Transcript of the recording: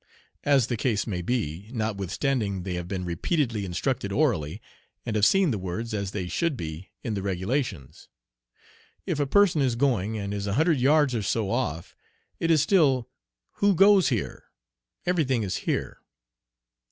as the case may be, notwithstanding they have been repeatedly instructed orally, and have seen the words, as they should be, in the regulations. If a person is going, and is a hundred yards or so off, it is still, "Who goes here?" Everything is "here."